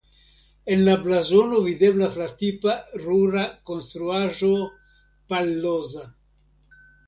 En la blazono videblas la tipa rura konstruaĵo "palloza".